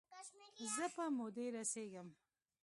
زه په مودې رسیږم